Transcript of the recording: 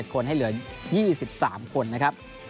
เกือบ๒๓คนนะครับ